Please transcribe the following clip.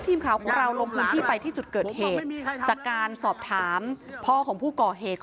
ทีมข่าวของเราลงพื้นที่ไปที่จุดเกิดเหตุจากการสอบถามพ่อของผู้ก่อเหตุ